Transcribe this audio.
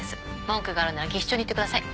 文句があるなら技師長に言ってください。